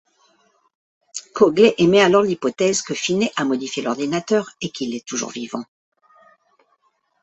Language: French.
Cogley émet alors l'hypothèse que Finney a modifié l'ordinateur et qu'il est toujours vivant.